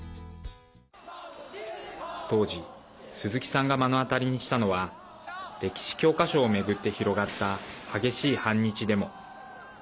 当時、鈴木さんが目の当たりにしたのは歴史教科書を巡って広がった激しい反日デモ。